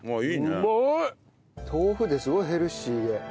豆腐ですごいヘルシーで。